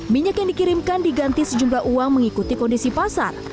minyak yang dikirimkan diganti sejumlah uang mengikuti kondisi pasar